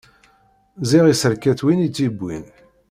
Ziɣ yesserka-tt win tt-iwwin.